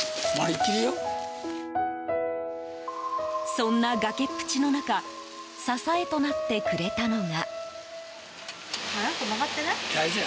そんな崖っぷちの中支えとなってくれたのが。